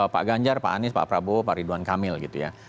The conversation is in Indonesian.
pak ganjar pak anies pak prabowo pak ridwan kamil gitu ya